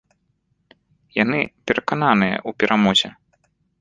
Яны перакананыя ў перамозе.